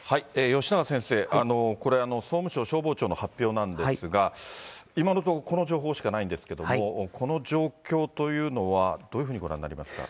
よしなが先生、これ、総務省消防庁の発表なんですが、今のところ、この情報しかないんですけれども、この状況というのは、どういうふうにご覧になりますか。